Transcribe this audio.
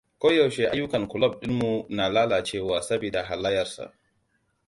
Ko yaushe ayyukan kulob dinmu na lalacewa sabida halayyarsa.